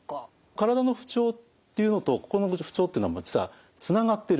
体の不調っていうのと心の不調っていうのは実はつながっているんです。